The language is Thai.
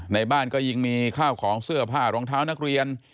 ในบ้านก็ยิงมีข้าวของเสื้อผ้ารองเท้านักเรียน